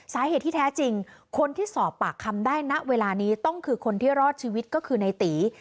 สาเหตุที่แท้จริงคนที่สอบปากคำได้ณเวลานี้ต้องคือคนที่รอดชีวิตก็คือในตี